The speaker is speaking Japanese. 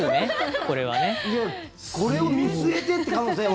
これを見据えてという可能性は。